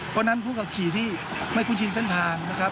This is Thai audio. เพราะฉะนั้นผู้ขับขี่ที่ไม่คุ้นชินเส้นทางนะครับ